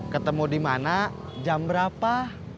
ketemu di mana jam berapa